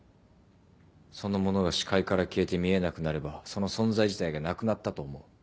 そのものが視界から消えて見えなくなればその存在自体がなくなったと思う。